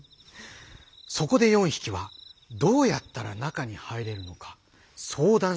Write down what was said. そこで４匹はどうやったら中に入れるのか相談しました。